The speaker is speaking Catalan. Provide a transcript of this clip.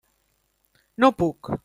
No puc.